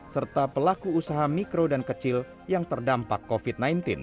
serta pelaku usaha mikro dan kecil yang terdampak covid sembilan belas